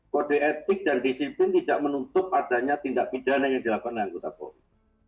kode etik dan disiplin tidak menutup adanya tindak pidana yang dilakukan anggota polri